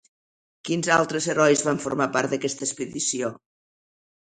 Quins altres herois van formar part d'aquesta expedició?